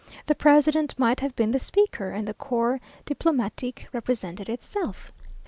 The president might have been the speaker, and the corps diplomatique represented itself.